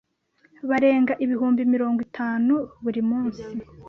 barenga ibihumbi mirongo itanu buri munsi,